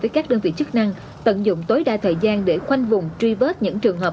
với các đơn vị chức năng tận dụng tối đa thời gian để khoanh vùng truy vết những trường hợp